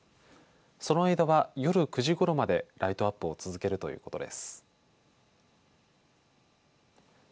その間は、夜９時ごろまでライトアップを続けるということです。